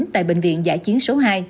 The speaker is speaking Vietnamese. tại bệnh viện giả chiến số hai